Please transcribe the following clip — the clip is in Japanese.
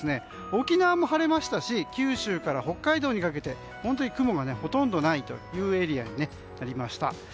沖縄も晴れましたし九州から北海道にかけて本当に雲がほとんどないというエリアになりました。